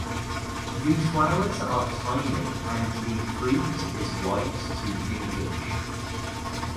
The flowers are tiny and the fruit is white to pinkish.